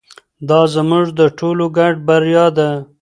دا زموږ د ټولو ګډه بریا ده.